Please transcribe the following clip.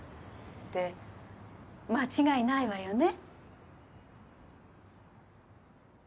で間違いないわよね？